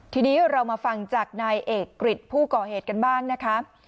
ทีนี้เรามาฟังจากนายเอกกริจผู้ก่อเหตุกันบ้างนะคะ